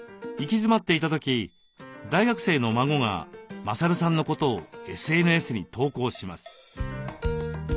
行き詰まっていた時大学生の孫が勝さんのことをＳＮＳに投稿します。